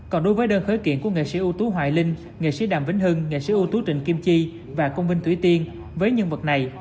còn đối với đơn khởi kiện của nghệ sĩ ưu tú hoài linh nghệ sĩ đàm vĩnh hưng nghệ sĩ ưu tú trịnh kim chi và công binh thủy tiên với nhân vật này